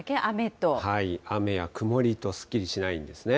雨や曇りと、すっきりしないんですね。